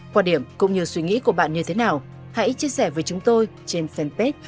khoa điểm cũng như suy nghĩ của bạn như thế nào hãy chia sẻ với chúng tôi trên fanpage của chương trình công an nhà dân